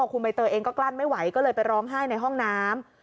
คุณใบเตยเองก็กลั้นไม่ไหวก็เลยไปร้องไห้ในห้องน้ำ